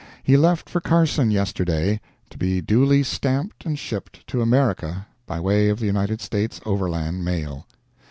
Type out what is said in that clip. He left for Carson yesterday, to be duly stamped and shipped to America, by way of the United States Overland Mail.